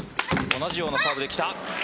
同じようなサーブできた。